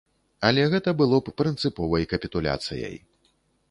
Але гэта было б прынцыповай капітуляцыяй!